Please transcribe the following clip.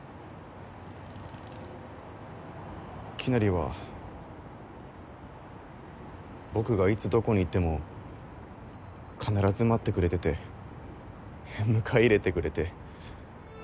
きなりは僕がいつどこに行っても必ず待ってくれてて迎え入れてくれて。